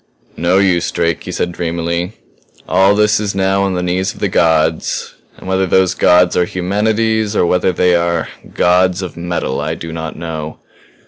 "No use, Drake," he said dreamily. "All this is now on the knees of the gods. And whether those gods are humanity's or whether they are Gods of Metal I do not know.